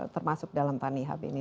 termasuk dalam tanihab ini